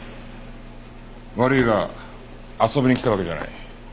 悪いが遊びに来たわけじゃない。